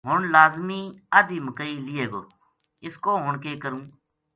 ہن لازمی اَدھی مکئی لِیے گو اِس کو ہن کے کروں